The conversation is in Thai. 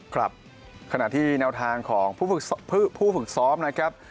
ครับขณะที่แนวทางของผู้ฝึกซ้อมนะครับ